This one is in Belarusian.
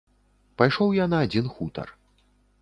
Пайшоў я на адзін хутар.